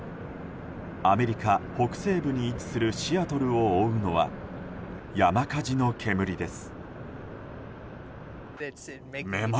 アメリカ北西部に位置するシアトルを覆うのは山火事の煙です。